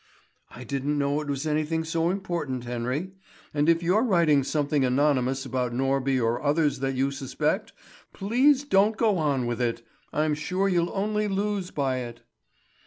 "I didn't know it was anything so important, Henry. And if you're writing something anonymous about Norby or others that you suspect, please don't go on with it! I'm sure you'll only lose by it."